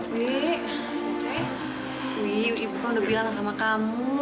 buwi ibu kan udah bilang sama kamu